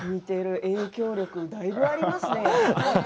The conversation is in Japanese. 影響力、だいぶありますね。